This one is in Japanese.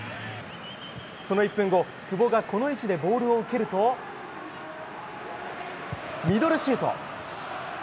その１分後、久保がこの位置でボールを蹴るとミドルシュート！